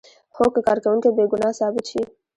هو که کارکوونکی بې ګناه ثابت شي.